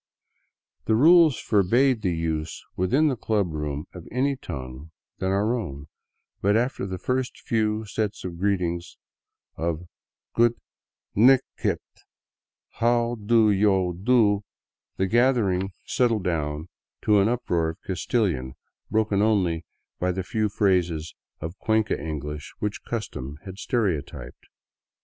The rules forbade the use within the club room of any tongue than our own, but after the first few set greetings of " goot nig ht, how do yo do? " the gathering settled down 193 VAGABONDING DOWN THE ANDES to an uproar of Castilian, broken only by the few phrases of Cuenca English which custom had stereotyped.